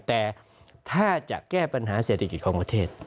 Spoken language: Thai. แต่ถ้าจะแก้ปัญหาเศรษฐกิจของประเทศ